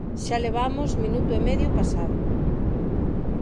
Xa levamos minuto e medio pasado.